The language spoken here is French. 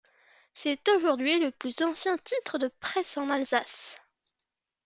C'est aujourd'hui le plus ancien titre de presse en Alsace.